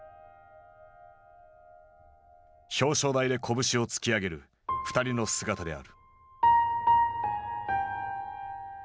表彰台で拳を突き上げる２人の姿である。